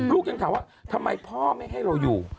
ยังถามว่าทำไมพ่อไม่ให้เราอยู่